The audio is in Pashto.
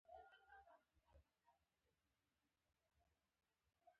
دا عمده بحث دی.